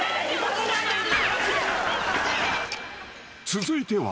［続いては］